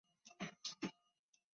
政府驻余杭镇太炎路。